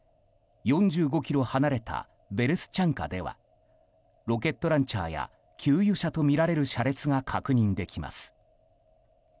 ４５ｋｍ離れたベレスチャンカではロケットランチャーや給油車とみられる車列が確認できます。